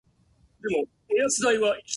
公園のベンチに落ち葉が積もっていた。